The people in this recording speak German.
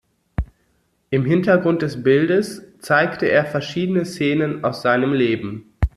Im Hintergrund des Bildes zeigte er verschiedene Szenen aus seinem Leben.